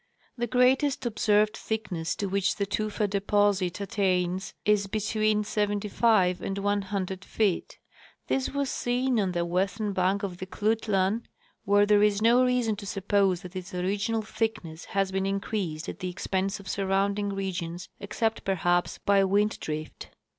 The greatest observed thickness to which the tufa dej^osit at tains is between 75 and 100 feet. This was seen on the western bank of the Klutlan, where there is no reason to suppose that its original thickness has been increased at the expense of sur rounding regions except, perhaps, by wind drift.